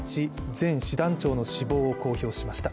前師団長の死亡を公表しました。